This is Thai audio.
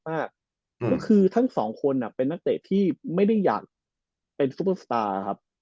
ก็คือทั้งสองคนเป็นนักเตะที่ไม่ได้อยากเป็นซุปเปอร์สตาร์ครับ